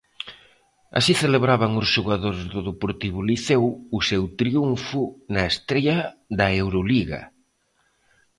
Así celebraban os xogadores do Deportivo Liceo o seu triunfo na estrea da Euroliga.